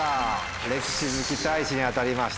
歴史好きたいしに当たりました。